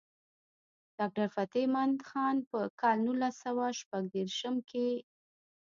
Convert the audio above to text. ډاکټر فتح مند خان پۀ کال نولس سوه شپږ دېرشم کښې